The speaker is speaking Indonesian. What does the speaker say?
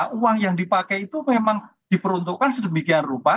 karena uang yang dipakai itu memang diperuntukkan sedemikian rupa